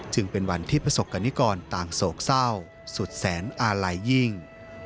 จึงเป็นวันที่ประสบกรณิกรต่างโศกเศร้าสุดแสนอาลัยยิ่ง